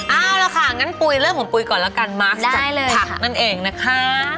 เอาล่ะค่ะงั้นปุ๋ยเรื่องของปุ๋ยก่อนแล้วกันมาร์คจากผักนั่นเองนะคะ